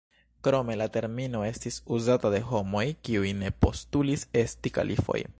Krome, la termino estis uzata de homoj kiuj ne postulis esti kalifoj.